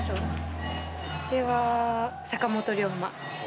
私は坂本龍馬。